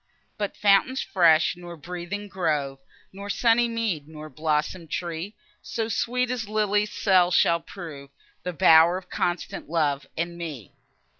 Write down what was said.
But fountain fresh, nor breathing grove, Nor sunny mead, nor blossom'd tree, So sweet as lily's cell shall prove,— The bower of constant love and me.